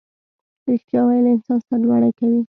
ریښتیا ویل انسان سرلوړی کوي